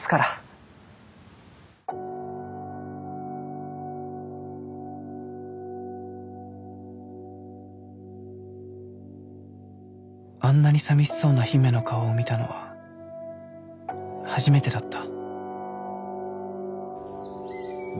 心の声あんなに寂しそうな姫の顔を見たのは初めてだった。